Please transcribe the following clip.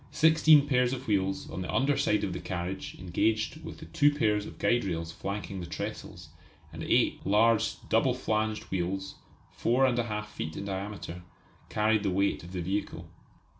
Sixteen pairs of wheels on the under side of the carriage engaged with the two pairs of guide rails flanking the trestles, and eight large double flanged wheels, 4 1/2 feet in diameter, carried the weight of the vehicle.